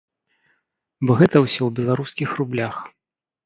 Бо гэта ўсё у беларускіх рублях.